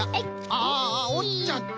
あおっちゃった。